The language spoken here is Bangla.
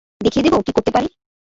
দেখিয়ে দেব কী করতে পারি।